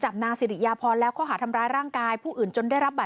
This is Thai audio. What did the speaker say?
จริงจริงจริงจริงจริงจริง